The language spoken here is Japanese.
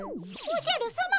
おじゃるさま